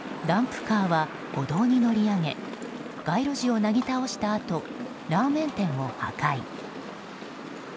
ダンプカーは歩道に乗り上げ街路樹をなぎ倒したあとラーメン店を破壊。